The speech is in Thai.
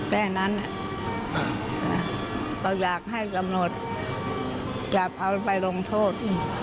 แม่งนั้นต้องอยากให้ตำรวจจับเอาไปลงโทษ